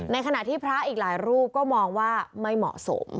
ขณะที่พระอีกหลายรูปก็มองว่าไม่เหมาะสม